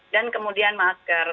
dan kemudian masker